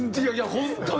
本当に。